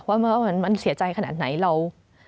ว่ามันเสียใจขนาดไหนเรา